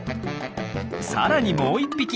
さらにもう１匹！